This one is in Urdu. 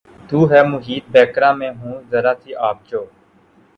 تو ہے محیط بیکراں میں ہوں ذرا سی آب جو